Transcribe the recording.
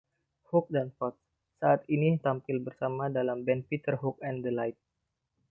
Hook dan Potts saat ini tampil bersama dalam band Peter Hook and The Light.